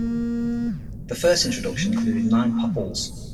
The first introduction included nine Popples.